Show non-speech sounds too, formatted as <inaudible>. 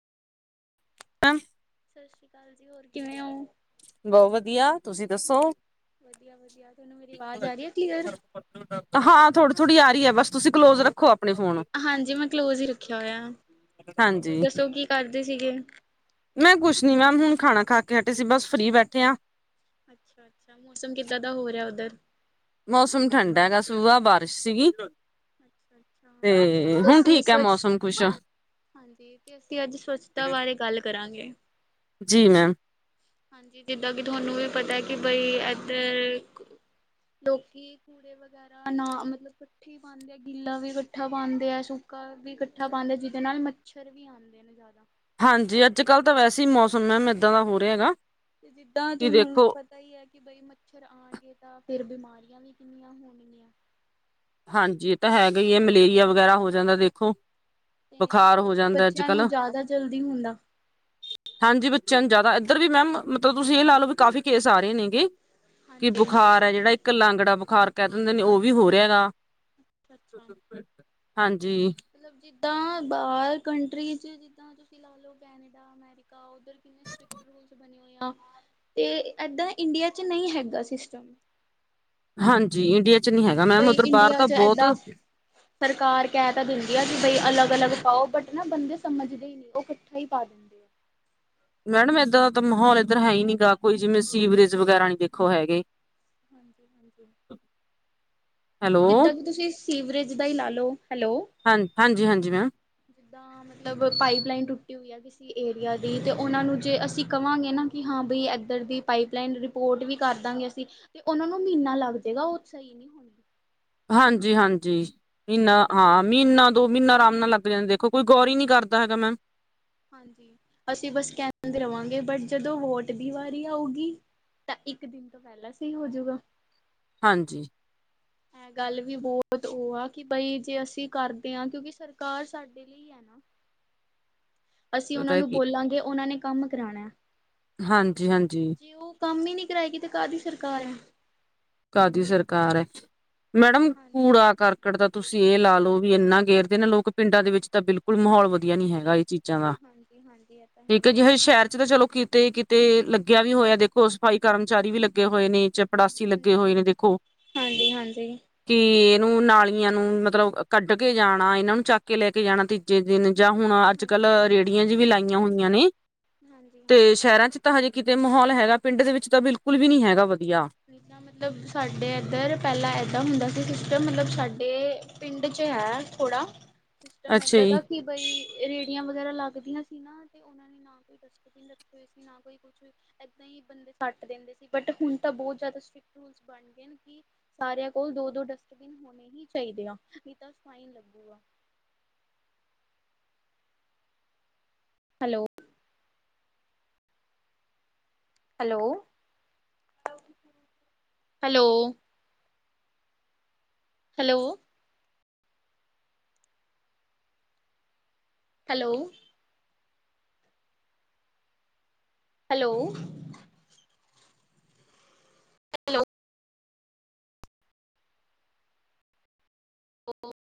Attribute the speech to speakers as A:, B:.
A: <unintelligible>
B: ਸਤਿ ਸ਼੍ਰੀ ਅਕਾਲ ਜੀ ਹੋਰ ਕਿਵੇਂ ਓ?
A: ਬੋਅ ਵਧੀਆ ਤੁਸੀਂ ਦੱਸੋ?
B: ਵਧੀਆ-ਵਧੀਆ।
A: <unintelligible> ਹਾਂ ਥੋੜੀ-ਥੋੜ੍ਹੀ ਆ ਰੀ ਹੈ ਬਸ ਤੁਸੀਂ ਕਲੋਜ ਰੱਖੋ ਫੋਨ
B: ਹਾਂਜੀ ਮੈਂ ਕਲੋਜ ਈ ਰੱਖਿਆ ਹੋਯਾ,
A: ਹਾਂਜੀ
B: ਹੋਰ ਦੱਸੋ ਕੀ ਕਰਦੇ ਸੀਗੇ?
A: ਮੈਂ ਕੁਛ ਨੀ ਮੈਮ ਹੁਣ ਖਾਣਾ ਖਾ ਕੇ ਹਟੇ ਸੀ ਬਸ ਫਰੀ ਬੈਠੇ ਆ।
B: ਅੱਛਾ-ਅੱਛਾ ਮੌਸਮ ਕਿੱਦਾਂ ਦਾ ਹੋ ਰਿਹਾ ਉੱਧਰ?
A: ਮੌਸਮ ਠੰਡਾ ਹੈਗਾ ਸੁਭਾ ਬਾਰਸ਼ ਸੀਗੀ।
B: ਅੱਛਾ ਅੱਛਾ
A: 'ਤੇ
B: ਅੱਜ
A: ਹੁਣ
B: ਅਸੀਂ
A: ਠੀਕ ਐ
B: ਸਵੱਛ
A: ਮੌਸਮ ਕੁਛ।
B: ਹਾਂਜੀ 'ਤੇ ਅਸੀਂ ਅੱਜ ਸਵੱਛਤਾ ਬਾਰੇ ਗੱਲ ਕਰਾਂਗੇ।
A: ਜੀ ਮੈਮ।
B: ਹਾਂਜੀ ਜਿੱਦਾਂ ਕਿ ਤੁਵਾਨੂੰ ਏ ਪਤਾ ਕਿ ਬਈ ਏਧਰ, ਲੋਕੀ <unintelligible> ਪਾਂਦੇ ਐ ਗਿੱਲਾ ਵੀ ਇਕੱਠਾ ਪਾਂਦੇ ਐ ਸੁੱਕਾ ਵੀ ਇਕੱਠਾ ਪਾਂਦੇ ਐ ਜਿਹਦੇ ਨਾਲ ਮੱਛਰ ਵੀ ਬੀ ਆਂਦੇ ਨੇ ਜਾਦਾ।
A: ਹਾਂਜੀ ਅੱਜ-ਕੱਲ੍ਹ ਤਾਂ ਵੈਸੇ ਈ ਮੌਸਮ ਮੈਮ ਏਦਾਂ ਦਾ ਹੋ ਰਿਹਾ ਹੈਗਾ।
B: ਜਿੱਦਾਂ
A: ਕਿ
B: ਥੋਨੂੰ <unintelligible>
A: ਦੇਖੋ
B: ਪਤਾ ਈ ਐ ਕਿ ਬਈ ਮੱਛਰ ਆਣਗੇ ਤਾਂ ਫੇਰ ਬਿਮਾਰੀਆਂ ਵੀ ਕਿੰਨੀਆਂ ਹੋਣਗੀਆਂ।
A: ਹਾਂਜੀ ਇਹ ਤਾਂ ਹੈਗਾ ਈ ਐ ਮਲੇਰੀਆ ਵਗੈਰਾ ਹੋ ਜਾਂਦਾ ਦੇਖੋ।
B: 'ਤੇ
A: ਬੁਖਾਰ ਹੋ
B: ਛੋਟੇ
A: ਜਾਂਦਾ ਅੱਜ
B: ਬੱਚਿਆਂ ਨੂੰ
A: ਕੱਲ੍ਹ
B: ਜਾਦਾ ਜਲਦੀ ਹੁੰਦਾ।
A: ਹਾਂਜੀ ਬੱਚਿਆਂ ਨੂੰ ਜਾਦਾ ਏਧਰ ਵੀ ਮੈਮ ਮਤਲਬ ਤੁਸੀਂ ਇਹ ਲਾ ਲੋ ਵੀ ਕਾਫੀ ਕੇਸ ਆ ਰੇ ਨੇ ਗੇ। ਕਿ
B: ਹਾਂਜੀ
A: ਬੁਖਾਰ ਐ ਜੇੜਾ ਇੱਕ ਲਾਂਗੜਾ ਬੁਖਾਰ ਕਹਿ ਦਿੰਦੇ ਨੇ ਉਹ ਵੀ ਹੋ ਰਿਹਾ ਗਾ।
B: <inaudible>
A: ਹਾਂਜੀ।
B: ਮਤਲਬ ਜਿੱਦਾਂ ਬਾਹਰ ਕੰਟਰੀ 'ਚ ਜਿੱਦਾਂ ਤੁਸੀਂ ਲਾ ਲੋ ਕੈਨੇਡਾ, ਅਮੈਰੀਕਾ <inaudible> 'ਤੇ ਏਦਾਂ ਇੰਡੀਆ 'ਚ ਨਈ ਹੈਗਾ ਸ਼ਿਸ਼ਟਮ।
A: ਹਾਂਜੀ ਇੰਡੀਆ ਚ ਨਹੀਂ ਹੈਗਾ ਮੈਮ
B: ਬਈ
A: ਉੱਧਰ ਬਾਹਰ
B: ਇੰਡੀਆ
A: ਤਾਂ
B: 'ਚ
A: ਬਹੁਤ
B: ਏਦਾਂ ਸਰਕਾਰ ਕਹਿ ਤਾਂ ਦਿੰਦੀ ਆ ਵੀ ਬਈ ਅਲੱਗ-ਅਲੱਗ ਪਾਓ ਬਟ ਨਾ ਬੰਦੇ ਸਮਝਦੇ ਇ ਉਹ ਇਕੱਠਾ ਈ ਪਾ ਆ
A: ਮੈਡਮ ਏਦਾਂ ਦਾ ਤਾਂ ਮਾਹੌਲ ਇੱਧਰ ਹੈ ਈ ਨੀ ਗਾ ਕੋਈ ਜਿਵੇਂ ਸੀਵਰੇਜ ਵਗੈਰਾ ਨੀ ਦੇਖੋ ਹੈਗੇ
B: ਹਾਂਜੀ-ਹਾਂਜੀ
A: ਹੈਲੋ
B: ਜਿੱਦਾਂ ਕਿ ਤੁਸੀਂ ਸੀਵਰੇਜ ਦਾ ਈ ਲਾ ਲਓ ਹੈਲੋ
A: ਹਾਂ ਹਾਂਜੀ ਹਾਂਜੀ ਮੈਮ
B: ਜਿੱਦਾਂ ਮਤਲਬ ਪਾਈਪ ਲਾਈਨ ਟੁੱਟੀ ਹੋਈ ਹੈ ਕਿਸੀ ਏਰੀਆ ਦੀ ਤੇ ਉਹਨਾਂ ਨੂੰ ਜੇ ਅਸੀਂ ਕਵਾਂਗੇ ਨਾ ਕਿ ਹਾਂ ਬਈ ਇੱਧਰ ਦੀ ਪਾਈਪ ਲਈਨ ਰਿਪੇ ਸਪੋਰਟ ਵੀ ਕਰਦਾਂਗੇ ਅਸੀਂ ਤੇ ਉਹਨਾਂ ਨੂੰ ਮਹੀਨਾ ਲੱਗ ਜਾਏਗਾ ਉਹ ਸਹੀ ਨਹੀਂ ਹੋਣੀ
A: ਹਾਂਜੀ-ਹਾਂਜੀ ਮਹੀਨਾ
B: ਸਰ
A: ਹਾਂ ਮਹੀਨਾ ਦੋ ਮਹੀਨਾ ਆਰਾਮ ਨਾਲ ਲੱਗ ਜਾਂਦੇ ਦੇਖੋ ਕੋਈ ਗੌਰ ਹੀ ਨੀ ਕਰਦਾ ਹੈਗਾ ਮੈਮ
B: ਹਾਂਜੀ ਅਸੀਂ ਬਸ ਕਹਿੰਦੇ ਰਵਾਂਗੇ ਬਟ ਜਦੋਂ ਵੋਟ ਦੀ ਵਾਰੀ ਆਊਗੀ ਤਾਂ ਇੱਕ ਦਿਨ ਤੋਂ ਪਹਿਲਾਂ ਸਹੀ ਹੋਜੂਗਾ
A: ਹਾਂਜੀ
B: ਐ ਗੱਲ ਵੀ ਬਹੁਤ ਉਹ ਆ ਕਿ ਬਈ ਜੇ ਅਸੀਂ ਕਰਦੇ ਹਾਂ ਕਿਉਂਕਿ ਸਰਕਾਰ ਸਾਡੇ ਇਸ ਲਈ ਆ ਨਾ ਅਸੀਂ ਉਹਨਾਂ
A: ਪਤਾ
B: ਨੂੰ
A: ਕੀ
B: ਬੋਲਾਂਗੇ ਉਹਨਾਂ ਨੇ ਕੰਮ ਕਰਾਉਣਾ
A: ਹਾਂਜੀ-ਹਾਂਜੀ
B: ਜੇ ਉਹ ਕੰਮ ਹੀ ਨੀ ਕਰਾਏਗੀ ਤੇ ਕਾਹਦੀ ਸਰਕਾਰ ਹੈ
A: ਕਾਹਦੀ ਸਰਕਾਰ ਹੈ, ਮੈਡਮ
B: ਹਾਂਜੀ
A: ਕੂੜਾ ਕਰ ਕੜ ਤਾਂ ਤੁਸੀਂ ਇਹ ਲਾ ਲਓ ਵੀ ਇੰਨਾ ਗੇਰਦੇ ਨੇ ਲੋਕ ਪਿੰਡਾਂ ਦੇ ਵਿੱਚ ਤਾਂ ਬਿਲਕੁਲ ਮਾਹੋਲ ਵਧੀਆ ਨੀ ਹੈਗਾ ਜੀ ਚਂਗਾ
B: ਹਾਂਜੀ ਹਾਂਜੀ ਇਹ ਤਾਂ ਹੈ
A: ਇਕ ਜਿਹੇ ਸ਼ਹਿਰ 'ਚ ਤਾਂ ਚਲੋ ਕਿ ਤੇ ਕਿਤੇ ਲੱਗਿਆ ਵੀ ਹੋਇਆ ਦੇਖੋ ਸਫਾਈ ਕਰਮਚਾਰੀ ਵੀ ਲੱਗੇ ਹੋਏ ਨੇ ਚਪੜਾਸ
B: ਹੀ
A: ਲਗੇ
B: ਹਾਂਜੀ
A: ਹੋਏ ਨੇ ਦੇਖੋ
B: ਹਾਂਜੀ ਹਾਂਜੀ ਹਾਂਜੀ
A: ਕਿ ਇਹਨੂੰ ਨਾਲੀਆਂ ਨੂੰ ਮਤਲਬ ਕੱਟ ਕੇ ਜਾਣਾ, ਇਹਨਾਂ ਨੂੰ ਚੱਕ ਕੇ ਲੈ ਕੇ ਜਾਣਾ ਤੇ ਜੇ ਦਿਨ ਜਾਂ ਹੁਣ ਅੱਜ ਕੱਲ
B: ਹਾਂਜੀ
A: ਰੇਹੜੀਆਂ ਜੀ ਵੀ ਲਾਈਆਂ ਹੋਈਆਂ ਨੇ ਤੇ
B: ਹਾਂਜੀ
A: ਸ਼ਹਿਰਾਂ 'ਚ ਤੇ ਹਜੇ ਕਿਤੇ ਮਾਹੌਲ ਹੈਗਾ ਪਿੰਡ ਦੇ ਵਿੱਚ ਤਾਂ ਬਿਲਕੁਲ ਵੀ ਨੀ ਹੈਗਾ ਵਧੀਆ
B: ਪ੍ਰੀਤਾਮੰਦ ਮਤਲਬ ਸਾਡੇ ਏਧਰ ਪਹਿਲਾਂ ਏਦਾਂ ਹੁੰਦਾ ਸੀ ਸਿਸਟਮ ਮਤਲਬ ਸਾਡੇ ਪਿੰਡ 'ਚ ਹੈ ਥੋੜ੍ਹਾ ਸਿਸਟਮ
A: ਅੱਛਾ
B: ਏਦਾਂ
A: ਜੀ
B: ਦਾ ਕੀ ਬਈ ਰੇਹੜੀਆਂ ਵਗੈਰਾ ਲੱਗਦੀਆਂ ਸੀ ਨਾ ਤੇ ਉਹਨਾਂ ਦੇ ਨਾ ਦੇ ਡਸਟਬੀਨ ਲਗੇ ਹੋਏ ਸੀ ਨਾ ਕੋਈ ਕੁਛ ਇਦਾਂ ਹੀ ਬੰਦੇ ਸੱਟ ਦਿੰਦੇ ਸੀ ਬਟ ਹੁਣ ਤਾਂ ਬਹੁਤ ਜ਼ਿਆਦਾ ਸਟ੍ਰਿਕਟ ਰੂਲਸ ਬਣ ਲੇਕਿਨ ਕਿ ਸਾਰਿਆਂ ਕੋਲ ਦੋ-ਦੋ ਡਸਟਬਿਨ ਹੋਣੇ ਹੀ ਚਾਹੀਦੇ ਆ ਨਹੀ ਤਾਂ ਫਾਈਨ ਲੱਗੂਗਾ hello hello hello hello hello hello hello ਓ-ਓ